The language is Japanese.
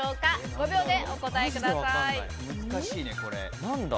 ５秒でお答えください。